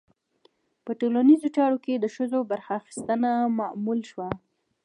په ټولنیزو چارو کې د ښځو برخه اخیستنه معمول شوه.